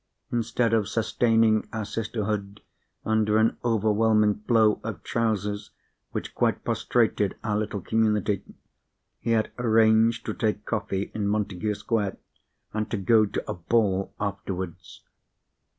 Instead of sustaining our sisterhood, under an overwhelming flow of Trousers which quite prostrated our little community, he had arranged to take coffee in Montagu Square, and to go to a ball afterwards!